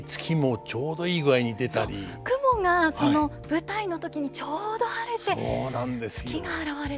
雲が舞台の時にちょうど晴れて月が現れて。